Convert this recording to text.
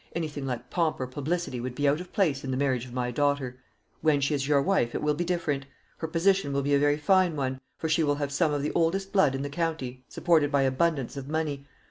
Anything like pomp or publicity would be out of place in the marriage of my daughter. When she is your wife it will be different. Her position will be a very fine one; for she will have some of the oldest blood in the county, supported by abundance of money.